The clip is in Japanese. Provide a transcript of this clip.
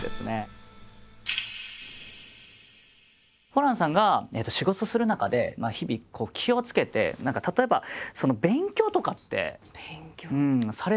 ホランさんが仕事する中で日々気をつけて何か例えば勉強とかってされてたりするんですか？